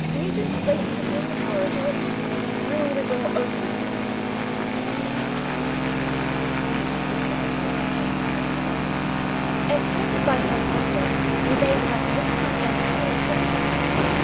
Nugent, waiting in the corridor, threw the door open for us. "Isn't he delightful?" Nugent whispered behind me, pointing to his friend. Escorted by Herr Grosse, we made a magnificent entry into the room.